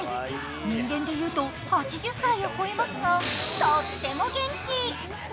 人間でいうと８０歳を超えますがとっても元気。